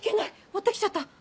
持って来ちゃった。